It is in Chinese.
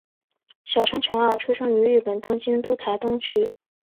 小川诚二出生于日本东京都台东区。